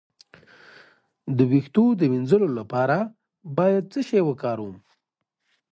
د ویښتو د مینځلو لپاره باید څه شی وکاروم؟